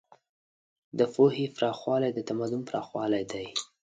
د پوهې پراخوالی د تمدن پراخوالی دی.